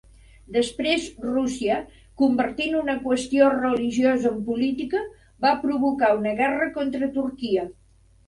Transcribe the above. Després Rússia, convertint una qüestió religiosa en política, va provocar una guerra contra Turquia.